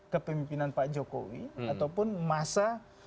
kepemimpinan pak jokowi ataupun masa